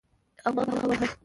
او ما به هغه واهه.